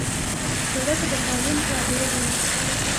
سړک د قانون تابع دی.